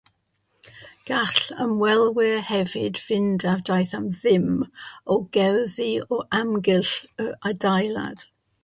Gall ymwelwyr hefyd fynd ar daith am ddim o'r gerddi o amgylch yr adeilad.